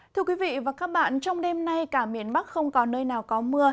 thưa quý vị và các bạn trong đêm nay cả miền bắc không có nơi nào có mưa